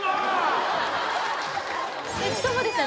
しかもですね